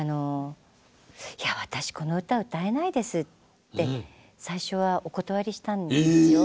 「いや私この歌を歌えないです」って最初はお断りしたんですよ。